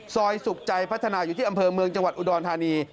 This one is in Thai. สุขใจพัฒนาอยู่ที่อำเภอเมืองจังหวัดอุดรธานี